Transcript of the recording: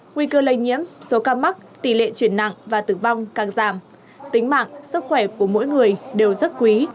nguy cơ lây nhiễm số ca mắc tỷ lệ chuyển nặng và tử vong càng giảm tính mạng sức khỏe của mỗi người đều rất quý